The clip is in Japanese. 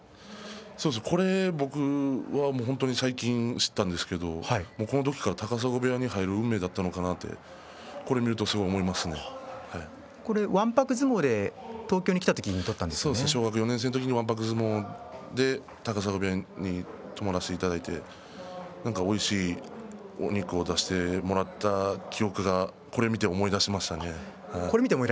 これ、僕は本当に最近知ったんですけれどこの時から高砂部屋に入る運命だったのかなってわんぱく相撲で東京に来た時に小学校４年生の時にわんぱく相撲で高砂部屋に泊まらせていただいてなんかおいしいお肉を出してもらった記録がこれを見て思い出しましたね。